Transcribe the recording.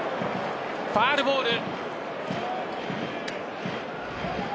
ファウルボール。